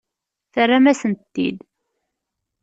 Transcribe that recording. Terram-asent-t-id.